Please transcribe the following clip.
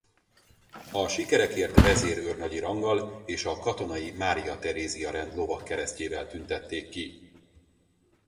A sikerekért vezérőrnagyi ranggal és a Katonai Mária Terézia-rend lovagkeresztjével tüntették ki.